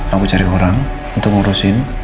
kamu cari orang untuk ngurusin